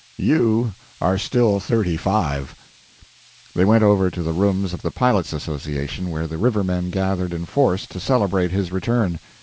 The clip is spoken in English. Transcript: You are still thirty five." They went over to the rooms of the pilots' association, where the river men gathered in force to celebrate his return.